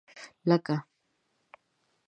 لکه